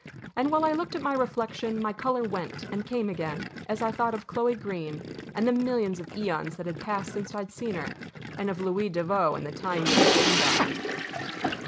And while I looked at my reflection my color went and came again as I thought of Chloe Greene and the millions of eons that had passed since I'd seen her, and of Louis Devoe and the time he had gained on me.